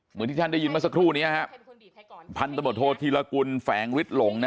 เหมือนที่ท่านได้ยินเมื่อสักครู่นี้พันธบทโทษธีรกุลแฝงฤทธหลง